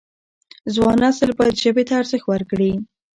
ځوان نسل باید ژبې ته ارزښت ورکړي.